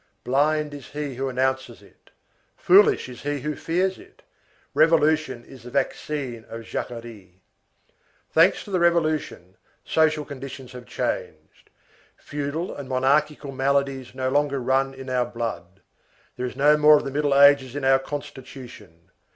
Blind is he who announces it! Foolish is he who fears it! Revolution is the vaccine of Jacquerie. Thanks to the Revolution, social conditions have changed. Feudal and monarchical maladies no longer run in our blood. There is no more of the Middle Ages in our constitution.